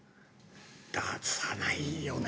出さないよね。